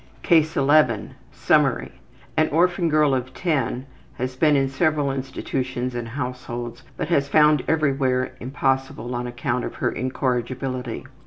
CASE 11 Summary: An orphan girl of 10 had been in several institutions and households, but was found everywhere impossible on account of her incorrigibility.